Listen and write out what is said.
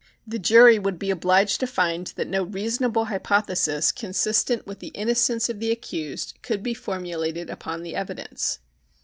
The jury would be obliged to find that no reasonable hypothesis consistent with the innocence of the accused could be formulated upon the evidence.